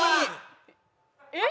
えっ！？